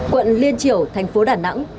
quận liên triểu thành phố đà nẵng